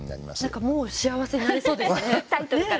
なんかもう幸せになれそうですね。